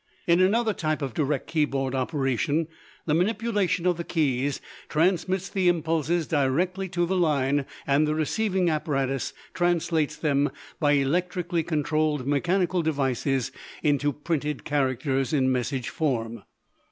In another type of direct keyboard operation the manipulation of the keys transmits the impulses directly to the line and the receiving apparatus translates them by electrically controlled mechanical devices into printed characters in message form.